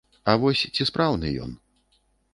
А вось ці спраўны ён?